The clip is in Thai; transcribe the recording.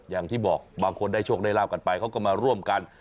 อย่างที่บอกบางคนได้โชคได้ลาบกันไปเขาก็มาร่วมกัน